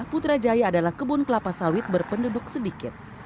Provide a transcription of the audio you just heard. putrajaya adalah kebun kelapa sawit berpenduduk sedikit